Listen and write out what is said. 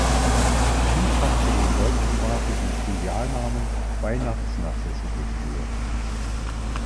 Dies hat zu dem deutschsprachigen Trivialnamen Weihnachts-Narzisse geführt.